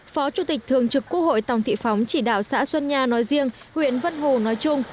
phó chủ tịch thường trực quốc hội tòng thị phóng chỉ đạo xã xuân nha nói riêng huyện vân hồ nói chung